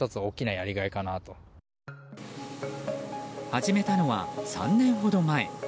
始めたのは３年ほど前。